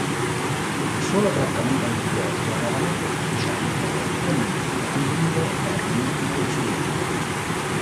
Il solo trattamento antibiotico è raramente sufficiente, e comunque a lungo termine mai risolutivo.